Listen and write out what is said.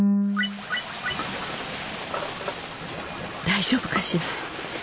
大丈夫かしら。